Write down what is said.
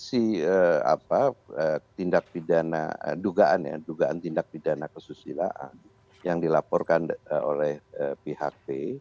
dari tindak pidana dugaan ya dugaan tindak pidana kesusilaan yang dilaporkan oleh pihak p